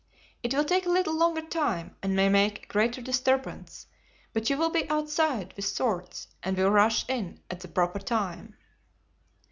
It will take a little longer time and may make a greater disturbance, but you will be outside with swords and will rush in at the proper time."